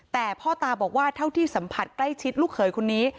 แต่พ่อตาบอกว่าเท่าที่สัมผัสใกล้ชิดลูกเขยคนนี้